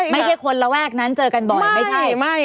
ไม่ใช่คนระแวกนั้นเจอกันบ่อยไม่ใช่